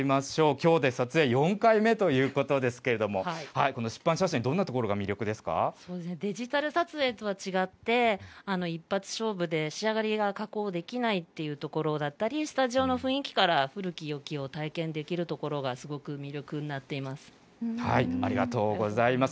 きょうで撮影４回目ということですけれども、この湿板写真、デジタル撮影とは違って、一発勝負で、仕上がりが加工できないというところだったり、スタジオの雰囲気から、古きよきを体験できるところがすごく魅力になっています。